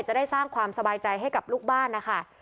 จะได้สร้างความสบายใจให้กับลูกบ้านนะคะ